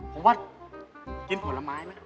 ผมว่ากินผลไม้มั้ย